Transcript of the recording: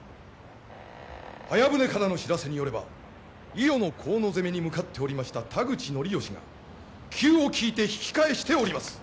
早船からの知らせによれば伊予の河野攻めに向かっておりました田口教能が急を聞いて引き返しております！